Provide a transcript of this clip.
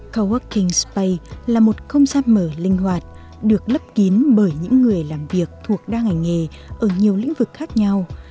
coworking space là một không gian mở linh hoạt được lấp kín bởi những người làm việc thuộc đa ngành nghề ở nhiều lĩnh vực khác nhau